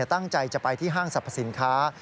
ตั้งใจจะไปที่ห้างสรรพสินค้า